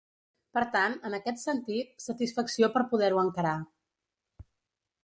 Per tant, en aquest sentit, satisfacció per poder-ho encarar.